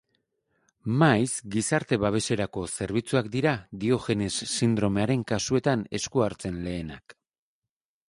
Maiz gizarte-babeserako zerbitzuak dira Diogenes sindromearen kasuetan esku hartzen lehenak.